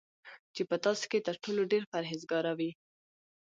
چی په تاسی کی تر ټولو ډیر پرهیزګاره وی